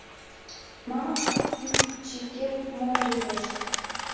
Мамык кӱпчыкет мом йодеш? -